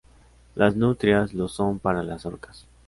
Las nutrias lo son para las orcas.